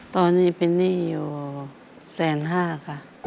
ตอนนี้เป็นหนี้อยู่แสนห้าค่ะ